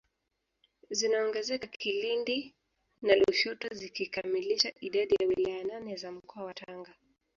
zinaongezeka Kilindi na Lushoto zikikamilisha idadi ya wilaya nane za mkoa wa Tanga